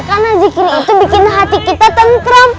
karena zikir itu bikin hati kita tengkram